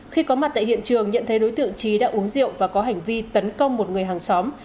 khi có mặt tại hiện trường nhận thấy đối tượng trí đã uống rượu và có hành vi tấn công một người hàng xóm